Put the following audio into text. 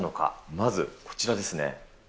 まずこちらですね。